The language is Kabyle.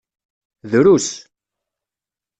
Drus.